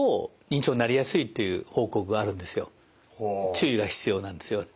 注意が必要なんですよ。